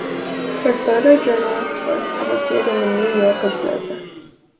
Her photojournalist works have appeared in the New York Observer.